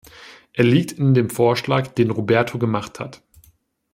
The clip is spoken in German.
Er liegt in dem Vorschlag, den Roberto gemacht hat.